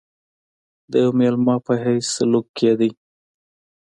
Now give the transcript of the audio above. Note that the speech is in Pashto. د یوه مېلمه په حیث سلوک کېدی.